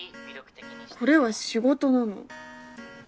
これは仕事なの。